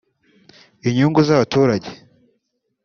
inyungu z’abaturage